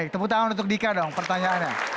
tepuk tangan untuk dika dong pertanyaannya